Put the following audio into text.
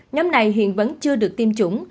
nhóm này hiện vẫn chưa được tiêm chủng